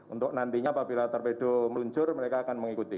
untuk nantinya apabila torpedo meluncur mereka akan mengikuti